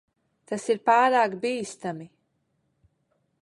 Tas ir pārāk bīstami.